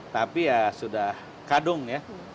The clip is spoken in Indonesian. tapi ya sudah kadung ya